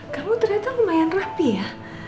kamu ternyata lumayan rapi ya